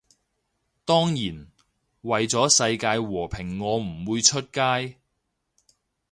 當然，為咗世界和平我唔會出街